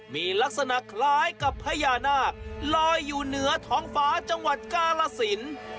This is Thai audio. มีลักษณะคล้ายกับพญานาคลอยอยู่เหนือท้องฟ้าจังหวัดกาลสิน